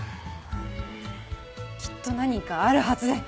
うんきっと何かあるはず。